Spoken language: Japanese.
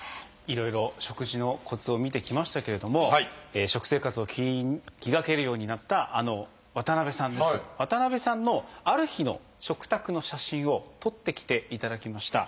いろいろ食事のコツを見てきましたけれども食生活を気にかけるようになった渡さんですけど渡さんのある日の食卓の写真を撮ってきていただきました。